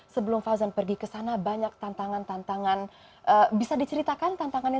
sebelum fauzan pergi ke sana banyak tantangan tantangan bisa diceritakan tantangannya